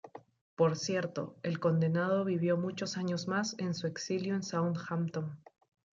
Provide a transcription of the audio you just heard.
Por cierto, el condenado vivió muchos años más en su exilio en Southampton.